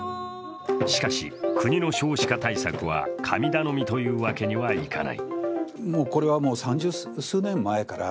しかし国の少子化対策は神頼みというわけにはいかない。